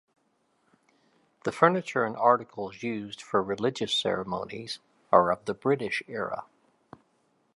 The furniture and articles used for religious ceremonies are of the British era.